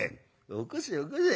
「起こせ起こせ。